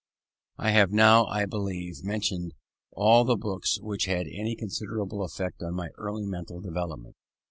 I have now, I believe, mentioned all the books which had any considerable effect on my early mental development.